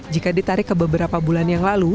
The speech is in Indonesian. jika ditarik ke beberapa bulan yang lalu